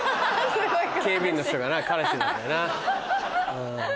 警備員の人がな彼氏なんだよな。